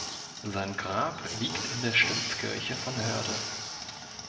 Sein Grab liegt in der Stiftskirche von Hörde.